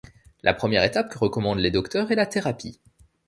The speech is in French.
La première étape que recommandent les docteurs est la thérapie.